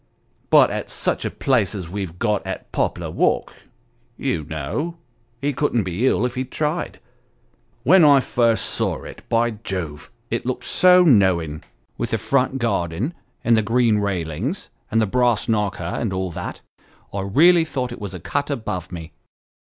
But at such a place as we've got at Poplar Walk, you know, he couldn't be ill if he tried. When I first saw it, by Jove ! it looked so knowing, with the front garden, and the green railings, and the brass knocker, and all that I really thought it was a cut above me."